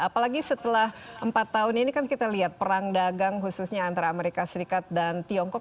apalagi setelah empat tahun ini kan kita lihat perang dagang khususnya antara amerika serikat dan tiongkok